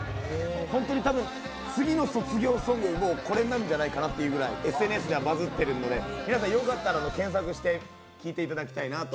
本当にたぶん、次の卒業ソング、これになるんじゃないかなというぐらい、ＳＮＳではバズってるので、よかったら検索して聴いてもらいたいなと。